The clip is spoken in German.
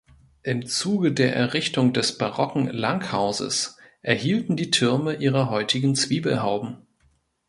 Im Zuge der Errichtung des barocken Langhauses erhielten die Türme ihre heutigen Zwiebelhauben.